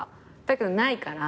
だけどないから。